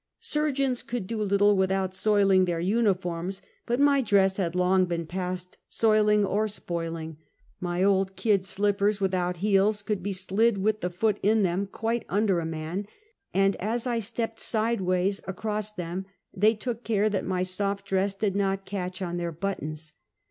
Surgeons conld do little without soiling their uni forms, but my dress had long been past soiling or spoil ing; my old kid slippers without heels, could be slid, with the feet in them, quite under a man, and as I stepped sideways across them, they took care that my soft dress did not catch on their buttons.